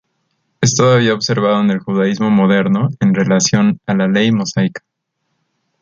Es todavía observado en el judaísmo moderno en relación a la ley mosaica.